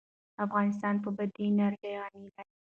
افغانستان په بادي انرژي غني دی.